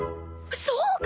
そうか！